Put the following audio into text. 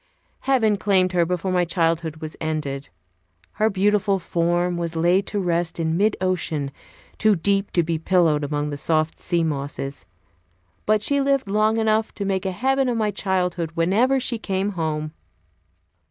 Heaven claimed her before my childhood was ended. Her beautiful form was laid to rest in mid ocean, too deep to be pillowed among the soft sea mosses. But she lived long enough to make a heaven of my childhood whenever she came home.